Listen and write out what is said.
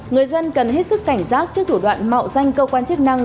người dân cần hết sức cảnh giác trước thủ đoạn mạo danh cơ quan chức năng